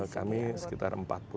kami sekitar empat puluh empat ribu